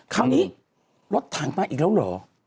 คราวนี้รถถังมาอีกแล้วเหรอ